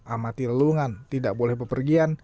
amati lelungan tidak boleh pepergian